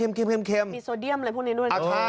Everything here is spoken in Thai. มีโซเดียมอะไรพวกนี้ด้วยนะครับ